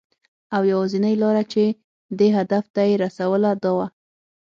او یوازېنۍ لاره چې دې هدف ته یې رسوله، دا وه .